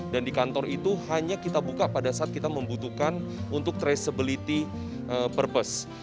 dan di kantor itu hanya kita buka pada saat kita membutuhkan untuk traceability purpose